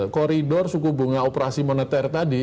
koridor suku bunga operasi moneter tadi